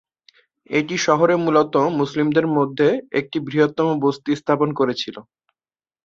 এটি শহরে মূলত মুসলিমদের মধ্যে একটি বৃহত্তম বস্তি স্থাপন করেছিল।